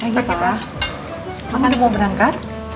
kamu mau berangkat